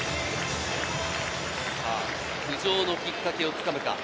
浮上のきっかけをつかむか。